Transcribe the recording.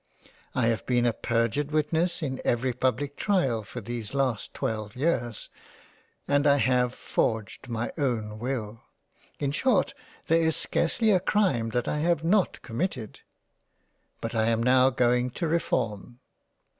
I have been a perjured witness in every public tryal for these last twelve years ; and I have forged my own Will. In short there is scarcely a crime that I have not committed — But I am now going to reform.